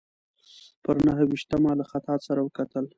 پر نهه ویشتمه له خطاط سره وکتل.